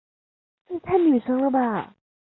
尾巴占总长度的三分之一或四分之一。